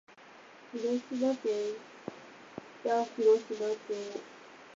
広島県北広島町